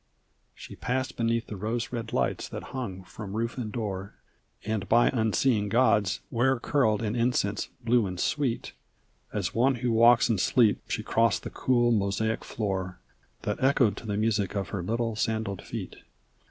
She passed beneath the rose red lights that hung from roof and door, And by unseeing gods, where curled an incense, blue and sweet; As one who walks in sleep she crossed the cool mosaic floor, That echoed to the music of her little sandalled feet.